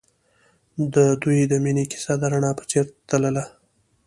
د دوی د مینې کیسه د رڼا په څېر تلله.